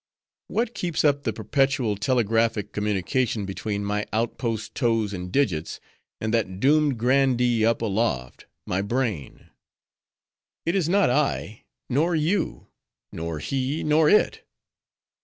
What keeps up the perpetual telegraphic communication between my outpost toes and digits, and that domed grandee up aloft, my brain?—It is not I; nor you; nor he; nor it.